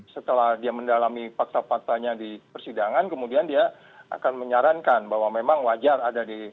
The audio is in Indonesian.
setelah dia mendalami fakta faktanya di persidangan kemudian dia akan menyarankan bahwa memang wajar ada di